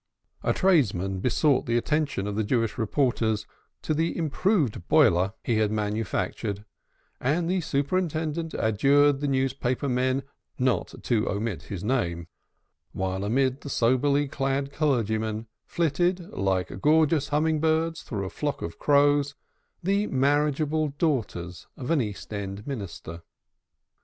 A tradesman besought the attention of the Jewish reporters to the improved boiler he had manufactured, and the superintendent adjured the newspaper men not to omit his name; while amid the soberly clad clergymen flitted, like gorgeous humming birds through a flock of crows, the marriageable daughters of an east end minister.